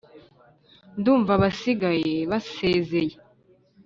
ndumva abasigaye basezeye,